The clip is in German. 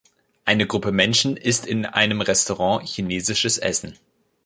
Eine Gruppe Menschen ist in einem Restaurant chinesisches Essen.